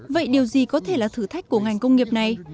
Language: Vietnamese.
vậy điều gì có thể là thử thách của ngành công nghiệp này